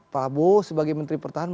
pak prabowo sebagai menteri pertahanan